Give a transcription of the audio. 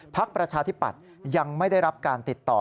ประชาธิปัตย์ยังไม่ได้รับการติดต่อ